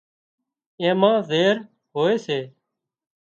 اين مان زهر هوئي سي